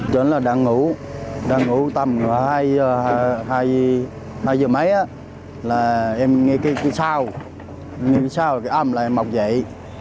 chúng là đang ngủ đang ngủ tầm hai giờ mấy là em nghe cái sao cái âm là mọc dậy